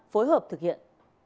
phối hợp thực hiện